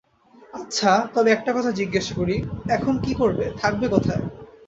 আচ্ছা, তবে একটা কথা জিজ্ঞাসা করি, এখন কি করবে, থাকবে কোথায়।